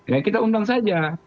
ya kita undang saja